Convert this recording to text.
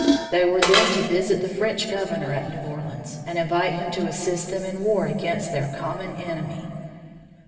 They were then to visit the French Governor at New Orleans and invite him to assist them in war against their common enemy.